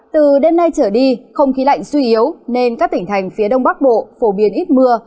từ đêm nay trở đi không khí lạnh suy yếu nên các tỉnh thành phía đông bắc bộ phổ biến ít mưa